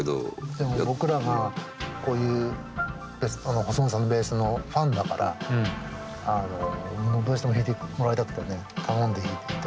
でも僕らがこういう細野さんのベースのファンだからどうしても弾いてもらいたくてね頼んで弾いて頂いた。